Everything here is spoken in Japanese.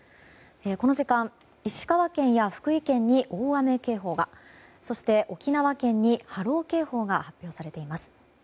この時間石川県や福井県に大雨警報がそして沖縄県に波浪警報が発表されています。